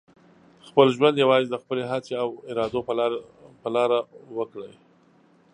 خپل ژوند یوازې د خپلې هڅې او ارادو په لاره وکړئ.